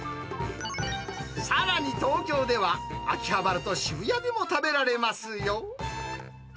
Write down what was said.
さらに東京では、秋葉原と渋谷でも食べられますよ。